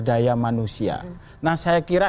daya manusia nah saya kira